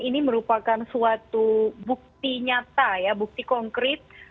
ini merupakan suatu bukti nyata ya bukti konkret